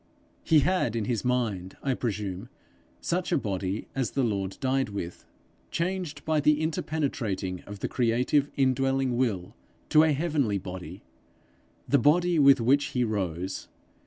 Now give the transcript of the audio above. He had in his mind, I presume, such a body as the Lord died with, changed by the interpenetrating of the creative indwelling will, to a heavenly body, the body with which he rose.